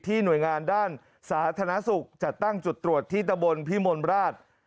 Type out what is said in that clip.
หน่วยงานด้านสาธารณสุขจัดตั้งจุดตรวจที่ตะบนพิมลราช